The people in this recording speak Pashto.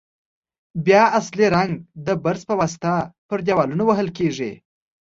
بیا اصلي رنګ د برش په واسطه پر دېوالونو وهل کیږي.